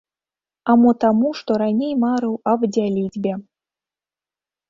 А мо таму, што раней марыў аб дзяліцьбе.